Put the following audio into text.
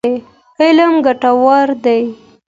علم ګټور دی.